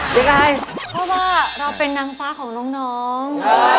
ยังไงเพราะว่าเราเป็นนางฟ้าของน้อง